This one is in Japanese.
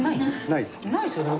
ないですよね。